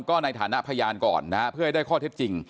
ก็ในฐานะพยานก่อนนะฮะเพื่อให้ได้ข้อเท็จจริง